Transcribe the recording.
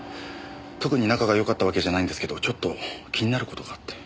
特に仲がよかったわけじゃないんですけどちょっと気になる事があって。